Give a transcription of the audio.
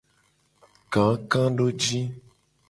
Kakadoji.